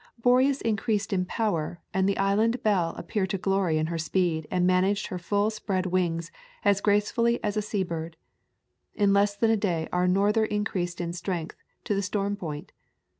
Boreas increased in power and the Is land Belle appeared to glory in her speed and managed her full spread wings as gracefully as a sea bird. In less than a day our norther increased in strength to the storm point.